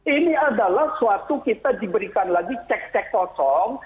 ini adalah suatu kita diberikan lagi cek cek kosong